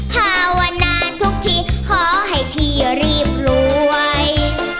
หาวันนานทุกทีขอให้พี่รีบรวย